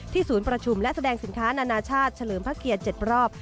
ศูนย์ประชุมและแสดงสินค้านานาชาติเฉลิมพระเกียรติ๗รอบ